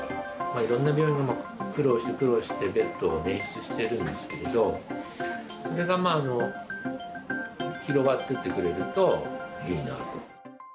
いろんな病院が苦労して苦労してベッドをねん出してるんですけど、これが広がっていってくれるといいなと。